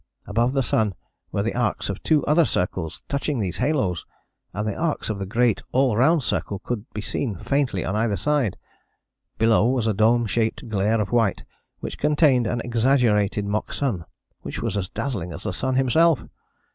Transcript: Above the sun were the arcs of two other circles touching these halos, and the arcs of the great all round circle could be seen faintly on either side. Below was a dome shaped glare of white which contained an exaggerated mock sun, which was as dazzling as the sun himself.